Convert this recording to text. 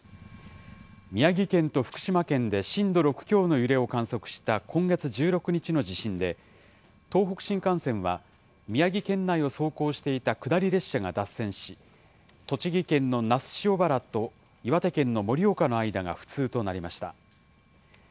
宮城県と福島県で、震度６強を揺れを観測した今月１６日の地震で、東北新幹線は、宮城県内を走行していた下り列車が脱線し、栃木県の那須塩原と岩手県の盛岡の間が不通となりました。